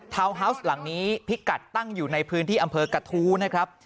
ฮาวส์หลังนี้พิกัดตั้งอยู่ในพื้นที่อำเภอกระทู้นะครับ